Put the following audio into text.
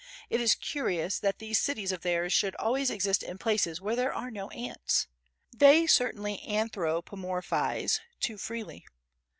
It is curious that these cities of theirs should always exist in places where there are no ants. They certainly anthropomorphise too freely.